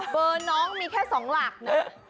อ๋อเบอร์น้องมีแค่สองหลักเนอะ